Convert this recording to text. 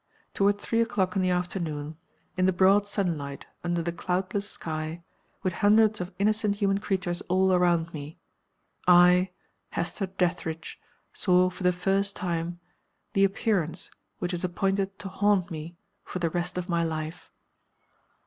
Toward three o'clock in the afternoon in the broad sunlight, under the cloudless sky, with hundreds of innocent human creatures all around me I, Hester Dethridge, saw, for the first time, the Appearance which is appointed to haunt me for the rest of my life.